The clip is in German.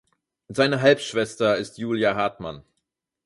Seine Halbschwester ist Julia Hartmann.